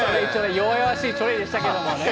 弱々しいチョレイでしたけどね。